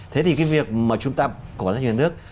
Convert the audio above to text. thế thì cái việc mà chúng ta cổ phần hóa